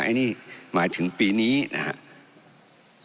อันนี้หมายถึงปีนี้นะครับ